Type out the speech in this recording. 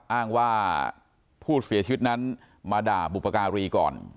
อ้างว่าผู้เสียชีวิตนั้นมาด่าบุปการีก่อน